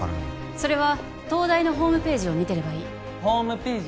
それは東大のホームページを見てればいいホームページ？